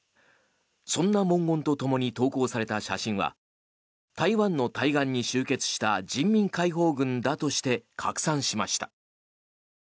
そんな文言とともに投稿された写真は台湾の対岸に集結した人民解放軍だとして拡散しました。